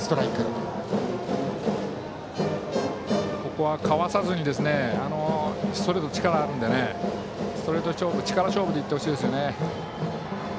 ここはかわさずにストレートに力があるのでストレート勝負、力勝負で行ってほしいですね。